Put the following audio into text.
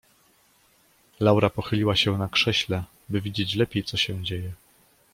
Laura pochyliła się na krześle, by widzieć lepiej, co się dzieje.